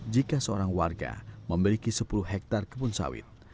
jika seorang warga memiliki sepuluh hektare kebun sawit